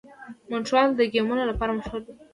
مونټریال د ګیمونو لپاره مشهور دی.